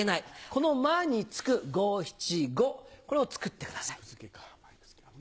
この前に付く五・七・五これを作ってください。